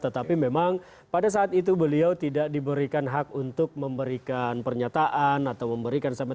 tetapi memang pada saat itu beliau tidak diberikan hak untuk memberikan pernyataan atau memberikan kesempatan